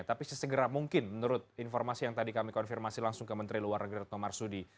tapi sesegera mungkin menurut informasi yang tadi kami konfirmasi langsung ke menteri luar negeri retno marsudi